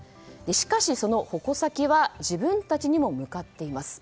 しかし、その矛先は自分たちにも向かっています。